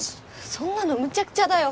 そんなのむちゃくちゃだよ！